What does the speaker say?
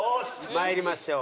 まいりましょう。